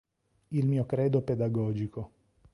Il mio credo pedagogico.